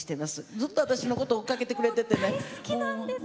ずっと私のこと追っかけてくれていて。